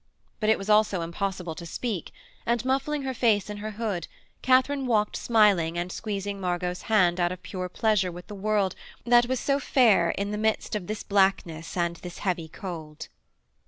But it was also impossible to speak, and, muffling her face in her hood, Katharine walked smiling and squeezing Margot's hand out of pure pleasure with the world that was so fair in the midst of this blackness and this heavy cold.